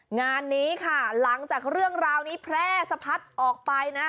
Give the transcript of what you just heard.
งานนี้ค่ะหลังจากเรื่องราวนี้แพร่สะพัดออกไปนะ